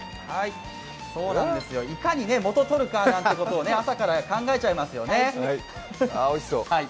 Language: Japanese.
いかに元を取るかということを、朝から考えちゃいますよね。